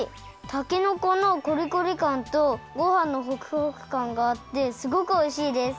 たけのこのコリコリかんとごはんのホクホクかんがあってすごくおいしいです。